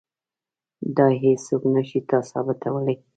دا هیڅوک نه شي ثابتولی.